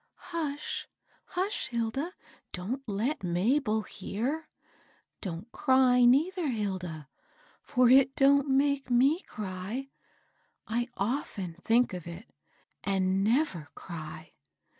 " Hush, hush, Hilda 1 don't let Mabel hear I Don't cry, neither, Hilda ; for it don't make me cry. I often think of it, and never cry.